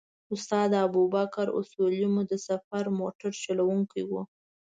استاد ابوبکر اصولي مو د سفر موټر چلوونکی و.